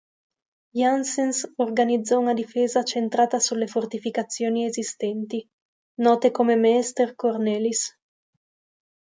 Janssens organizzò una difesa centrata sulle fortificazioni esistenti, note come "Meester Cornelis".